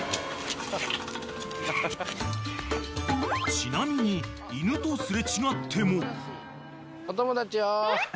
［ちなみに犬と擦れ違っても］